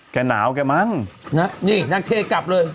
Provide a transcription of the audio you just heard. แกหนาวแกมั้งนางเทกรับเลย